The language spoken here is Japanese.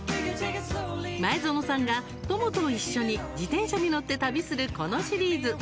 前園さんが「とも」と一緒に自転車に乗って旅するこのシリーズ。